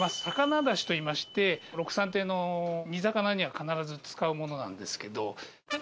魚だしといいましてろくさん亭の煮魚には必ず使うものなんですけど。